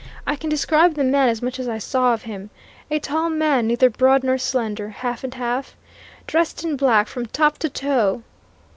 I can describe the man as much as I saw of him. A tall man neither broad nor slender half and half. Dressed in black from top to toe.